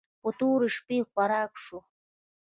په تورې شپې خوراک شو.